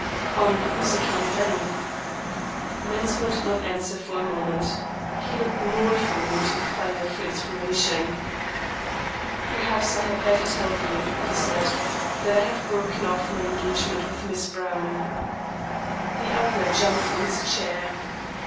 "On whose account, then?" Mensmore did not answer for a moment. He looked mournfully into the fire for inspiration. "Perhaps I had better tell you," he said, "that I have broken off my engagement with Miss Browne." The other jumped from his chair.